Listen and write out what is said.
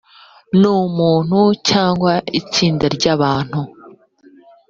n umuntu cyangwa itsinda ry abantu